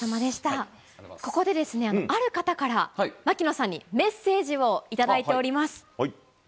ここでですね、ある方から、槙野さんにメッセージを頂いております。